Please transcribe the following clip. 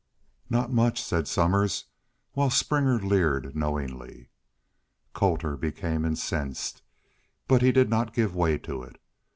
"Not much," said Somers, while Springer leered knowingly. Colter became incensed, but he did not give way to it.